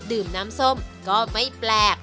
ดื่มน้ำส้มก็ไม่แปลก